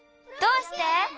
どうして？